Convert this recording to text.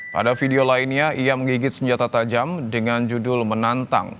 pada video lainnya ia menggigit senjata tajam dengan judul menantang